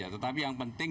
tetapi yang penting